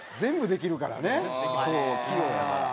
器用やから。